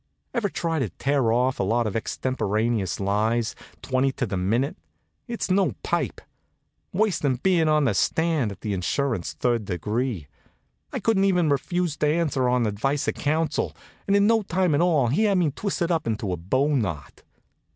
Ever try to tear off a lot of extemporaneous lies, twenty to the minute? It's no pipe. Worse than being on the stand at an insurance third degree. I couldn't even refuse to answer on advice of counsel, and in no time at all he had me twisted up into a bow knot.